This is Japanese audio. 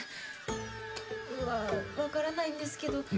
わわからないんですけど。